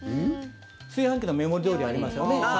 炊飯器の目盛りどおりありますよね。